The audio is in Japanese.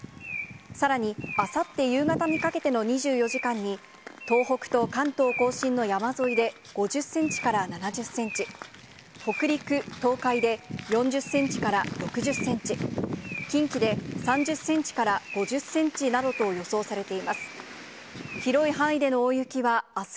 さらにあさって夕方にかけての２４時間に、東北と関東甲信の山沿いで５０センチから７０センチ、北陸、東海で４０センチから６０センチ、近畿で３０センチから５０センチなどと予想されています。